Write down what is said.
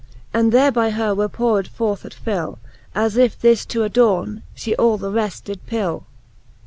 And there by her were poured forth at fill. As if this to adorne, fiie all the reft did pill.